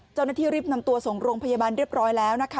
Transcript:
เจ้าหน้าที่รีบนำตัวส่งโรงพยาบาลเรียบร้อยแล้วนะคะ